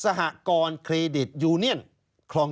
ชีวิตกระมวลวิสิทธิ์สุภาณฑ์